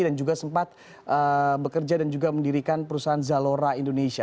dan juga sempat bekerja dan juga mendirikan perusahaan zalora indonesia